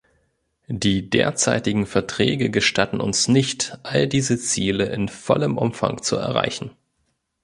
Die derzeitigen Verträge gestatten uns nicht, all diese Ziele in vollem Umfang zu erreichen.